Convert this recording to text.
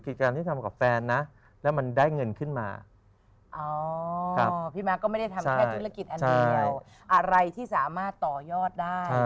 คือการที่ทำกับแฟนนะแล้วมันได้เงินขึ้นมาพี่มาร์คก็ไม่ได้ทำแค่ธุรกิจอันเดียวอะไรที่สามารถต่อยอดได้